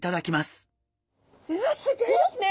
うわすギョいですね！